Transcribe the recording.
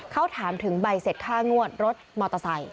เขาถามถึงใบเสร็จค่างวดรถมอเตอร์ไซค